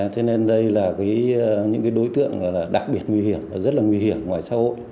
thế nên đây là những đối tượng đặc biệt nguy hiểm và rất là nguy hiểm ngoài xã hội